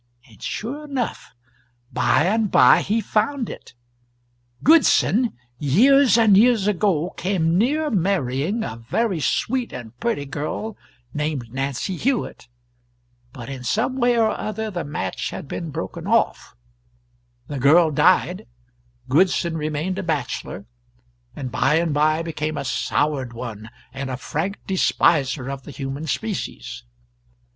And sure enough, by and by he found it. Goodson, years and years ago, came near marrying a very sweet and pretty girl, named Nancy Hewitt, but in some way or other the match had been broken off; the girl died, Goodson remained a bachelor, and by and by became a soured one and a frank despiser of the human species.